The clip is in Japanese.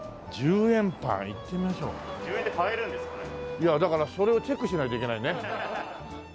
いやだからそれをチェックしないといけないね。